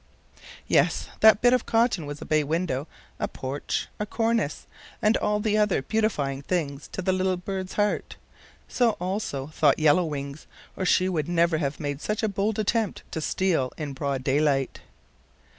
Yes, that bit of cotton was a bay window, a porch, a cornice, and all the other beautifying things to little birdie's heart. So also thought Yellow Wings, or she would never have made such a bold attempt to steal in broad daylight.